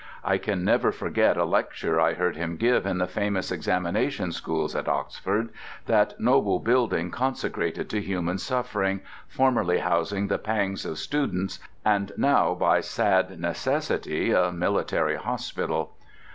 I can never forget a lecture I heard him give in the famous Examination Schools at Oxford—that noble building consecrated to human suffering, formerly housing the pangs of students and now by sad necessity a military hospital.